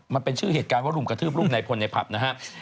มันเป็นชื่อเหตุการณ์ว่ารุมกระทืบลูกในพลในผับนะฮะ